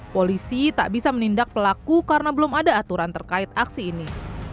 polisi tak bisa menindak pelaku karena belum ada aturan terkait aksi ini